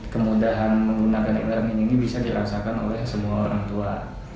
kemudahan menggunakan e learning ini tidak semua bisa dirasakan oleh semua orang tua